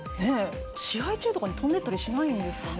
試合中とかに飛んでいったりしないんですかね。